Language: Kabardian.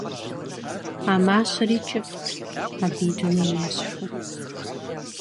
А мащэри кӀыфӀт, абы и дунейм ещхьу.